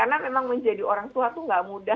karena memang menjadi orang tua tuh nggak mudah